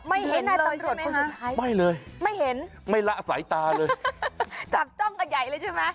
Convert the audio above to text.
ไม่เห็นเลยใช่ไหมฮะไม่เห็นไม่ละสายตาเลยจากจ้องกันใหญ่เลยใช่ไหม